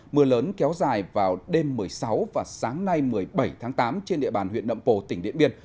mưa lớn kéo dài vào đêm một mươi sáu và sáng nay một mươi bảy tháng tám trên địa bàn huyện nậm pồ tỉnh điện biên